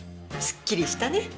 すっきりしたね。